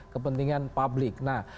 kepentingan publik nah